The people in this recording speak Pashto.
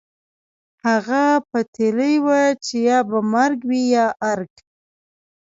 هغه پتېيلې وه چې يا به مرګ وي يا ارګ.